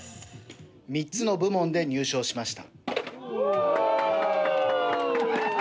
３つの部門で入賞しました。